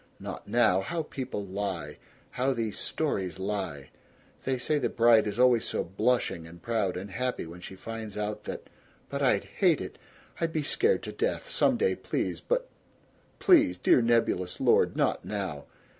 Not now! How people lie! How these stories lie! They say the bride is always so blushing and proud and happy when she finds that out, but I'd hate it! I'd be scared to death! Some day but Please, dear nebulous Lord, not now!